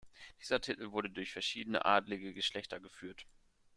Dieser Titel wird durch verschiedene adelige Geschlechter geführt.